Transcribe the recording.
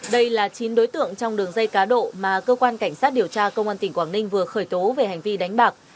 đây là chín đối tượng trong đường dây cá độ mà cơ quan cảnh sát điều tra công an tỉnh quảng ninh vừa khởi tố về hành vi đánh bạc